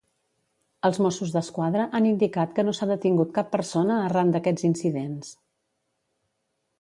Els Mossos d'Esquadra han indicat que no s'ha detingut cap persona arran d'aquests incidents.